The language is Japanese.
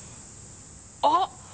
あっ！